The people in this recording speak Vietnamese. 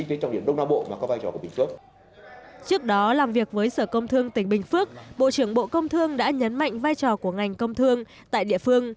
trước đó làm việc với sở công thương tỉnh bình phước bộ trưởng bộ công thương đã nhấn mạnh vai trò của ngành công thương tại địa phương